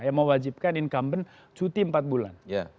yang mewajibkan incumbent cuti empat bulan